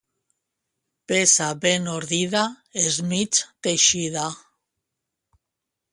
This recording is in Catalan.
Peça ben ordida és mig teixida.